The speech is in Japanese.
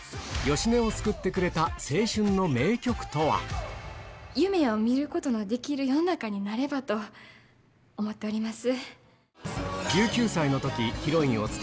芳根を救ってくれた夢を見ることのできる世の中になればと思っております。